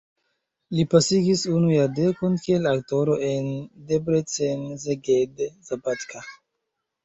Li pasigis unu jardekon kiel aktoro en Debrecen, Szeged, Szabadka.